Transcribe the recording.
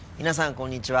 こんにちは。